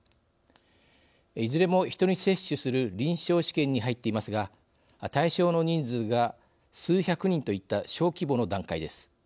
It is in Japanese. いずれも人に接種する臨床試験に入っていますが対象の人数が数百人といった小規模の段階です。